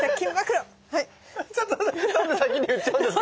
ちょっとなんで先に言っちゃうんですか？